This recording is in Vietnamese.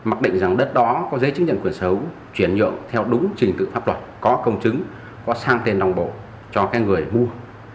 mặc định rằng đất đó có giấy chứng nhận quyền sử dụng chuyển nhượng theo đúng trình cự pháp luật có công chứng có sang tên đồng bộ cho người mua